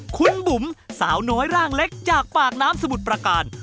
คุณบุ๋มสาวน้อยร่างเล็กจากปากน้ำสมุทรประการ